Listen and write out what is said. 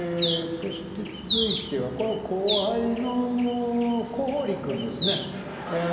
そして続いてはこれは後輩の小堀君ですねえー